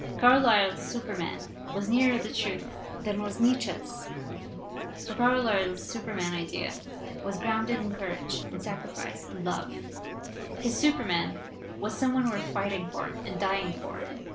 Carlyle's Superman was nearer the truth than was Nietz sche's, for Carlyle's Superman idea was grounded in courage and sacrifice and love; his Superman was some one worth fighting for and dying for.